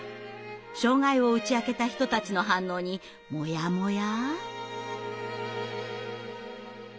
障害を打ち明けた人たちの反応にモヤモヤ。